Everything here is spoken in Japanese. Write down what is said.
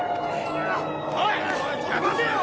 おい待てよ！